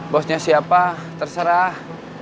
bosnya siapa terserah